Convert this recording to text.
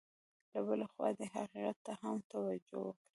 له بلې خوا دې حقیقت ته هم توجه وکړي.